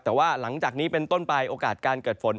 แต่ว่าหลังจากนี้เป็นต้นไปโอกาสการเกิดฝน